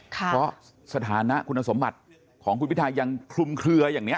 เพราะสถานะคุณสมบัติของคุณพิทายังคลุมเคลืออย่างนี้